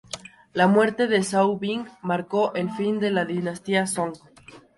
La muerte de Zhao Bing marcó el fin de la dinastía Song.